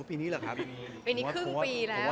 ปีนี้แหละครับ